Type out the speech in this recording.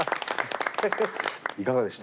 いかがでした？